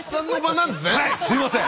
はいすいません。